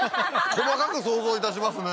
細かく想像いたしますね